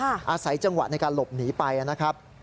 อาศัยจังหวะในการหลบหนีไปนะครับ